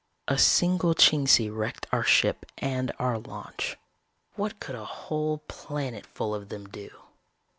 A single Chingsi wrecked our ship and our launch. What could a whole planetful of them do?